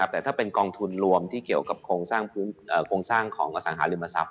แต่ถ้าเป็นกองทุนรวมที่เกี่ยวกับโครงสร้างโครงสร้างของอสังหาริมทรัพย